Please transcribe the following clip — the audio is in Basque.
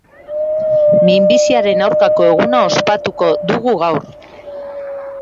Minbiziaren aurkako eguna ospatuko dugu gaur.